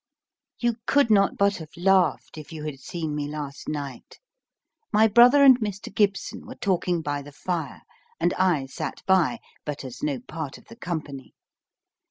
You could not but have laughed if you had seen me last night. My brother and Mr. Gibson were talking by the fire; and I sat by, but as no part of the company.